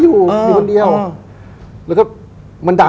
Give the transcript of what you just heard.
ตึ๊กคือบ้านไม้